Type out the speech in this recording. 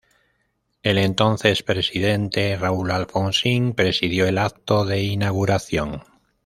El entonces presidente Raúl Alfonsín presidió el acto de inauguración.